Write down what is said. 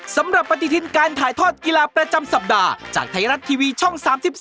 สำหรับปฏิทินการถ่ายทอดกีฬาประจำสัปดาห์จากไทยรัฐทีวีช่อง๓๒